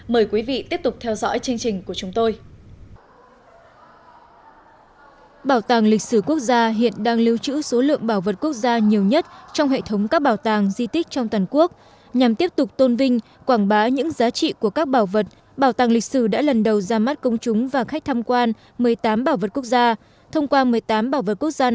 mời quý vị tiếp tục theo dõi chương trình của chúng tôi